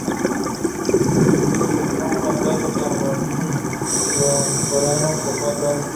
El suizo firmó un contrato con el club "bianconero" por cuatro años.